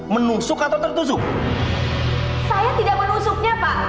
menusuk atau tertusuk saya tidak menusuknya pak